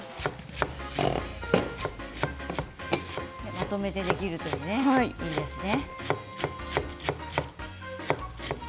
まとめてできるっていいですね。